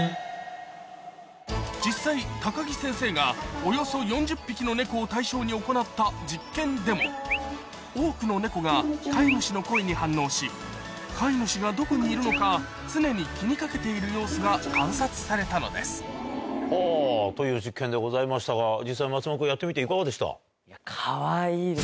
実際高木先生がでも多くのネコが飼い主の声に反応し飼い主がどこにいるのか常に気に掛けている様子が観察されたのですほうという実験でございましたが実際松丸君やってみていかがでした？